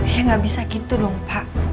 ya nggak bisa gitu dong pak